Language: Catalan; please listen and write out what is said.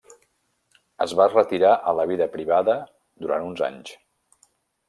Es va retirar a la vida privada durant uns anys.